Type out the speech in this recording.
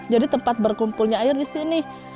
jadi tempat berkumpulnya air di sini